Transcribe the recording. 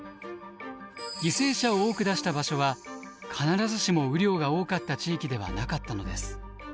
犠牲者を多く出した場所は必ずしも雨量が多かった地域ではなかったのです。